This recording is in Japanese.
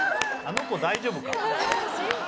あの子大丈夫か？